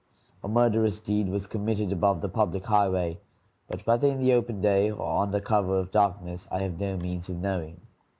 A murderous deed was committed above the public highway, but whether in the open day or under cover of darkness I have no means of knowing.